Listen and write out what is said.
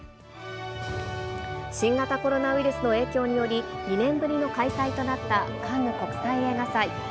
新型コロナウイルスの影響により、２年ぶりの開催となったカンヌ国際映画祭。